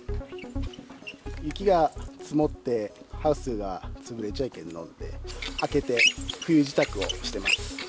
雪が積もって、ハウスが潰れちゃいけんので、開けて、冬支度をしてます。